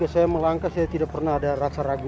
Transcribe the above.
ketika saya melangkah saya tidak pernah merasa ragu